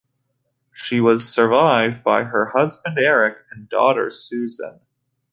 She was survived by her husband Erik and daughter Susan.